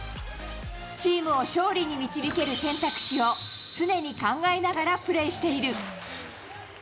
チームを勝利に導ける選択肢を、常に考えながらプレーしている。